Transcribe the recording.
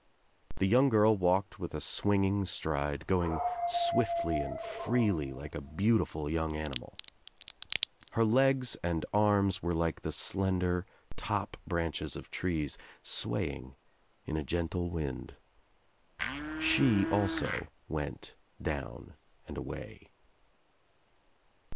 The g girl walked with a swinging stride, going swiftly 1 jZ THE TRIUMPH OF THE EGG and freely like a beautiful young animal. Her 1^8 and arms were like the slender top branches of trees swaying in a gentle wind. She also went down and away.